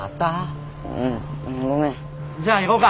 じゃあ行こうか。